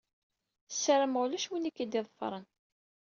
Sarameɣ ulac win i k-d-iḍefren.